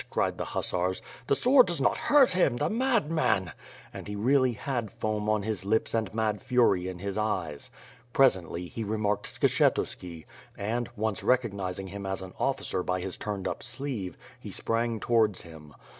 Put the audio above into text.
cried the hussars. '*The sword does not hurt him, the madman!'' And he really had foam on his lips and mad fury in his eyes. Presently, he remarked Skshetuski and, once recognizing him as an officer by his turned up sleeve, he sprang towards him.